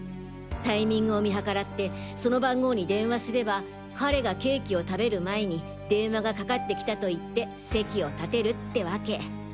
タイミングを見計らってその番号に電話すれば彼がケーキを食べる前に電話がかかってきたと言って席を立てるってワケ！